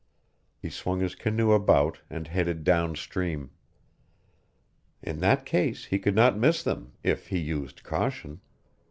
He swung his canoe about and headed down stream. In that case he could not miss them, if he used caution.